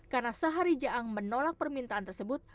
karena syahari jaang menolak permintaan tersebut